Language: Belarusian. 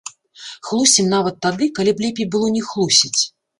Хлусім нават тады, калі б лепей было не хлусіць.